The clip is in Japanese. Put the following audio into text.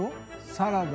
サラダ。